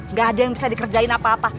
nggak ada yang bisa dikerjain apa apa